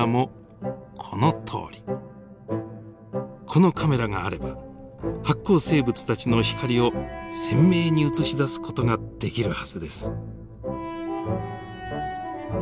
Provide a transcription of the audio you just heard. このカメラがあれば発光生物たちの光を鮮明に映し出す事ができるはずです。